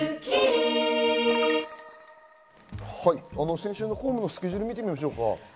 先週の公務のスケジュールを見てみましょうか。